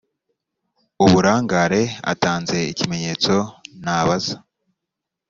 uburangare atanze ikimenyetso ntabaza